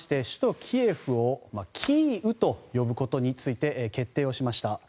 首都キエフをキーウと呼ぶことについて決定をしました。